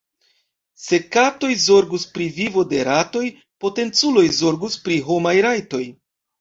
Se katoj zorgus pri vivo de ratoj, potenculoj zorgus pri homaj rajtoj.